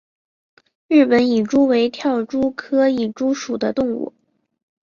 日本蚁蛛为跳蛛科蚁蛛属的动物。